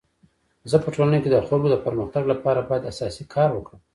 زه په ټولنه کي د خلکو د پرمختګ لپاره باید اساسي کار وکړم.